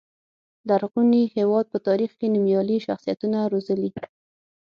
لرغوني هېواد په تاریخ کې نومیالي شخصیتونه روزلي.